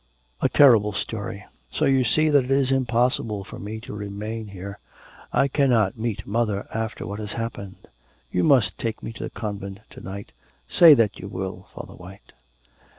'A very terrible story.' 'So you see that it is impossible for me to remain here. I cannot meet mother after what has happened. You must take me to the convent to night. Say that you will, Father White.'